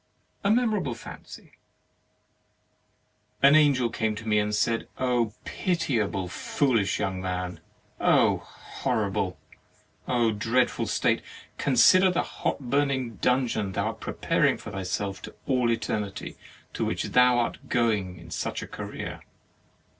30 HEAVEN AND HELL A MEMORABLE FANCY An Angel came to me and said: "0 pitiable foolish young man! hor rible, dreadful state! Consider the hot burning dungeon thou art prepar ing for thyself to all Eternity, to which thou art going in such career."